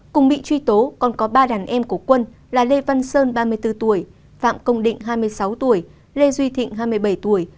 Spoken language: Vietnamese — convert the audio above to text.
cùng bị truy tố còn có ba đàn em của quân là lê văn sơn ba mươi bốn tuổi phạm công định hai mươi sáu tuổi lê duy thịnh hai mươi bảy tuổi